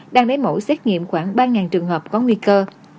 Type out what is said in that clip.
đang lấy mẫu xét nghiệm khoảng ba trường hợp có nguy cơ